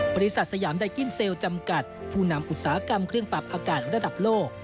สยามไดกินเซลล์จำกัดผู้นำอุตสาหกรรมเครื่องปรับอากาศระดับโลก